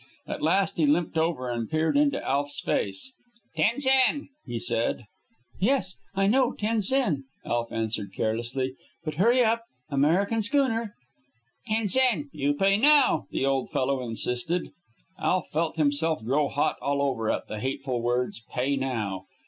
At last he limped over and peered into Alf's face. "Ten sen," he said. "Yes, I know, ten sen," Alf answered carelessly. "But hurry up. American schooner." "Ten sen. You pay now," the old fellow insisted. Alf felt himself grow hot all over at the hateful words "pay now."